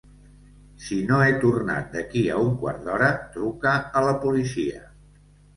Si no he tornat d'aquí a un quart d'hora, truca a la policia.